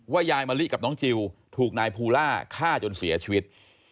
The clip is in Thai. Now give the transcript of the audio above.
ยายมะลิกับน้องจิลถูกนายภูล่าฆ่าจนเสียชีวิต